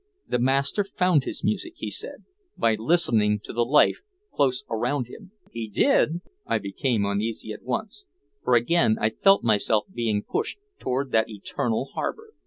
"The Master found his music," he said, "by listening to the life close around him." "He did?" I became uneasy at once, for again I felt myself being pushed toward that eternal harbor.